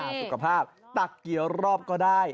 สุขภาพตักกี่รอบก็ได้